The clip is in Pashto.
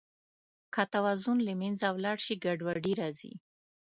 که توازن له منځه ولاړ شي، ګډوډي راځي.